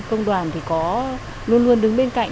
công đoàn thì có luôn luôn đứng bên cạnh